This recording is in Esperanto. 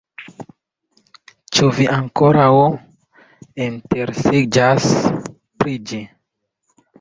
Ĉu vi ankoraŭ interesiĝas pri ĝi?